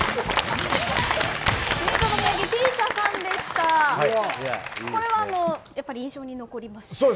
これはやっぱり印象に残りました？